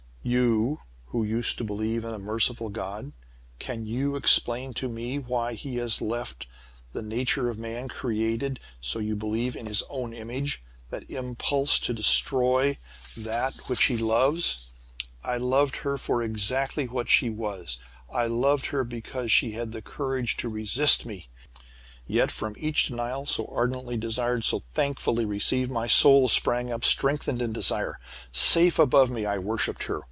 "You, who used to believe in a merciful God, can you explain to me why he has left in the nature of man, created so you believe in His own image that impulse to destroy that which he loves? I loved her for exactly what she was. I loved her because she had the courage to resist me. Yet from each denial so ardently desired, so thankfully received, my soul sprang up strengthened in desire. Safe above me I worshipped her.